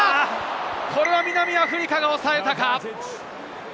これは南アフリカが抑えたか？